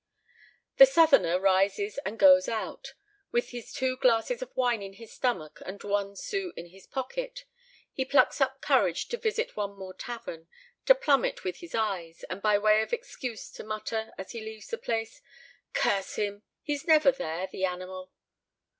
The Southerner rises and goes out, with his two glasses of wine in his stomach and one sou in his pocket. He plucks up courage to visit one more tavern, to plumb it with his eyes, and by way of excuse to mutter, as he leaves the place, "Curse him! He's never there, the animal!"